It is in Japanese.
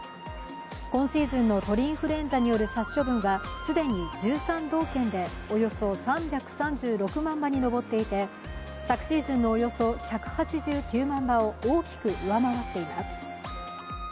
今シーズンの鳥インフルエンザによる殺処分は既に１３道県でおよそ３３６万羽に上っていて、昨シーズンのおよそ１８９万羽を大きく上回っています。